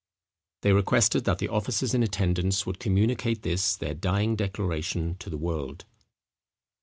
They requested that the officers in attendance would communicate this their dying declaration to the world.